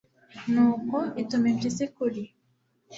nuko ituma impyisi kuri